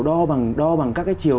đo bằng các cái chiều